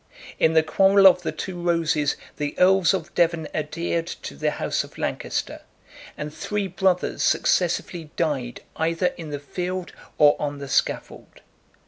In the quarrel of the two roses, the earls of Devon adhered to the house of Lancaster; and three brothers successively died either in the field or on the scaffold.